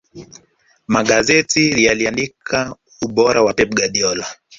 magazeti yaliandika ubora wa pep guardiola